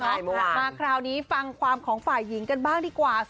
มาคราวนี้ฟังความของฝ่ายหญิงกันบ้างดีกว่า